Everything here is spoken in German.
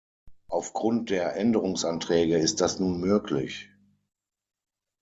Auf Grund der Änderungsanträge ist das nun möglich.